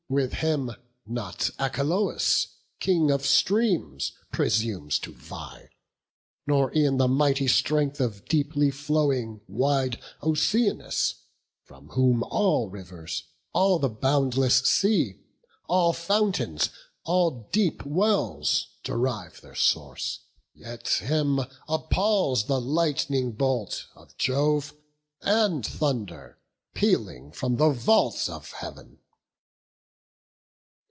With him, not Achelous, King of streams, Presumes to vie; nor e'en the mighty strength Of deeply flowing, wide Oceanus; From whom all rivers, all the boundless sea, All fountains, all deep wells derive their source; Yet him appals the lightning bolt of Jove, And thunder, pealing from the vault of Heav'n."